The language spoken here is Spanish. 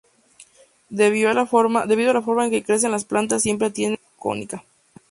Debido a la forma en que crecen las plantas, siempre tiende a ser cónica.